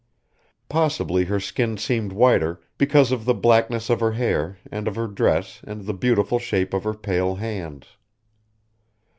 Possibly her skin seemed whiter because of the blackness of her hair and of her dress and the beautiful shape of her pale hands.